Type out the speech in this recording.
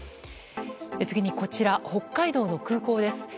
次に、こちら北海道の空港です。